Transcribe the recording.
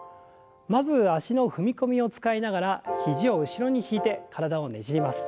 まず脚の踏み込みを使いながら肘を後ろに引いて体をねじります。